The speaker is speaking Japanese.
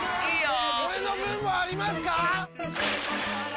俺の分もありますか！？